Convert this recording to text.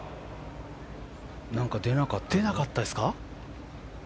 出なかったですか？